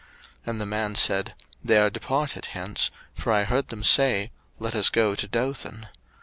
01:037:017 And the man said, They are departed hence; for I heard them say, Let us go to Dothan.